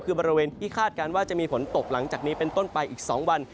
คือบริเวณที่คาดการณ์ว่าจะมีฝนตกหลังจากนี้เป็นต้นไปอีก๒วัน